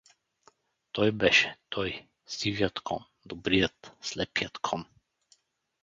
Той беше, той, сивият кон, добрият, слепият кон!